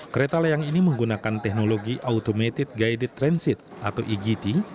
kereta layang ini menggunakan teknologi automated guided transit atau egt